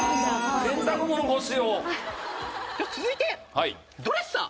続いてドレッサー。